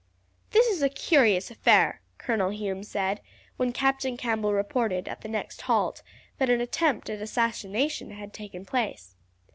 "This is a curious affair," Colonel Hume said when Captain Campbell reported, at the next halt, that an attempt at assassination had taken place.